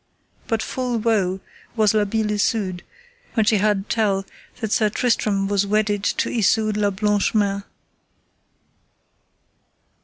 But full woe was La Beale Isoud when she heard tell that Sir Tristram was wedded to Isoud la Blanche Mains.